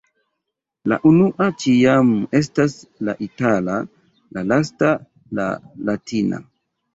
La unua ĉiam estas la itala, la lasta la latina.